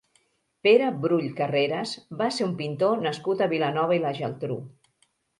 Pere Brull Carreras va ser un pintor nascut a Vilanova i la Geltrú.